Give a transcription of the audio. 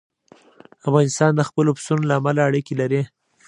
افغانستان د خپلو پسونو له امله اړیکې لري.